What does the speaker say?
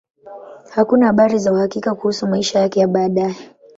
Hakuna habari za uhakika kuhusu maisha yake ya baadaye.